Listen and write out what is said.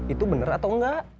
itu bener atau enggak